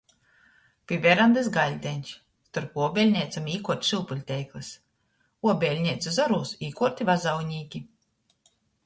Pi verandys gaļdeņš, storp uobeļneicom īkuorts šyupuļteikls. Uobeļneicu zorūs īkuorti vazaunīki.